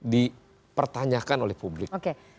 dipertanyakan oleh publik oke